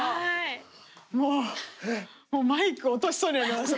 もうマイク落としそうになりました。